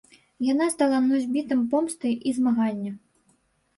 Яна стала носьбітам помсты і змагання.